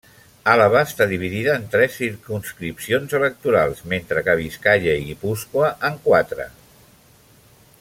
Àlaba està dividida en tres circumscripcions electorals mentre que Biscaia i Guipúscoa en quatre.